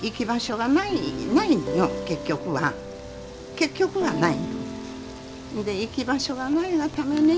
結局はない。